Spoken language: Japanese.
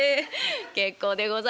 結構でございます。